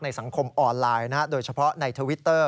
สังคมออนไลน์โดยเฉพาะในทวิตเตอร์